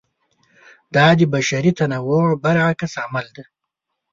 دا د بشري تنوع برعکس عمل دی.